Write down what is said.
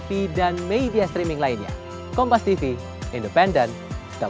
tapi biasa kalau biasa selalu berudah